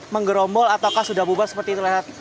menggerombol ataukah sudah bubar seperti itu rehat